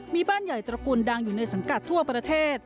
มีบ้านใหญ่ตระกูลดังอยู่ในสังกัดทั่วประเทศ